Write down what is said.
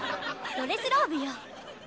ドレスローブ？